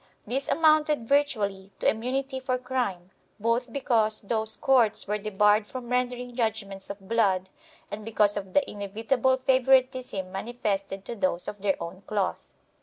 This amounted virtually to immunity for crime, both because those courts were debarred from rendering judgements of blood and because of the inevitable favoritism manifested to those of their own cloth.